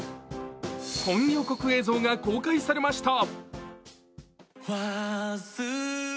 本予告映像が公開されました。